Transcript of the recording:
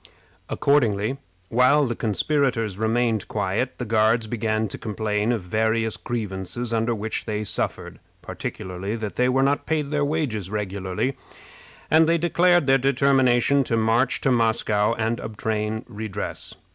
Accordingly, while the conspirators remained quiet, the Guards began to complain of various grievances under which they suffered, particularly that they were not paid their wages regularly, and they declared their determination to march to Moscow and obtain redress.